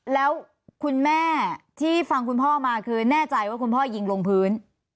แล้วคุณแม่ที่ฟังคุณพ่อมาคือแน่ใจว่าคุณพ่อยิงลงพื้น